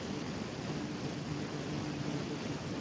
এছাড়া the Guardian, Al Jazeera, New York টাইমসে লিখেছেন।